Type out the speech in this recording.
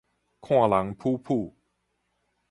看人殕殕